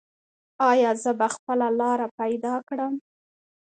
ایا زه به خپله لاره پیدا کړم؟